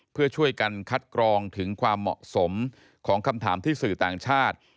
เพื่อช่วยกันคัดกรองถึงความเหมาะสมของคำถามที่สื่อต่างชาติ